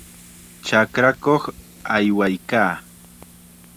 Chakrakuq aywaykaa.